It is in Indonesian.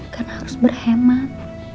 karena harus berhemat